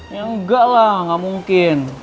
ya enggak lah nggak mungkin